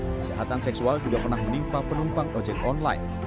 kejahatan seksual juga pernah menimpa penumpang ojek online